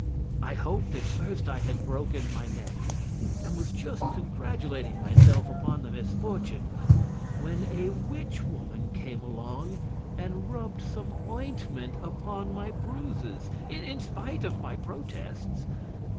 I hoped at first I had broken my neck, and was just congratulating myself upon the misfortune, when a witch woman came along and rubbed some ointment upon my bruises, in spite of my protests.